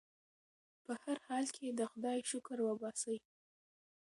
په هر حال کې د خدای شکر وباسئ.